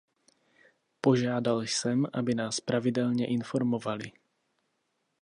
Požádal jsem, aby nás pravidelně informovali.